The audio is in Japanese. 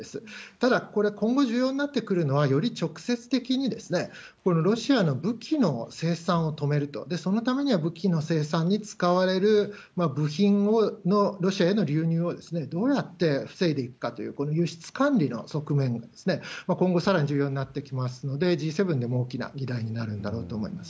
ただ、これ今後重要になってくるのは、より直接的にこのロシアの武器の生産を止めると、そのためには生産に使われる部品のロシアへの流入をどうやって防いでいくかという、この輸出管理の側面が今後さらに重要になってきますので、Ｇ７でも大きな議題になるんだろうと思います。